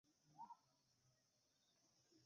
cyril ramaphosa alichaguliwa kuwa kiongozi wa chama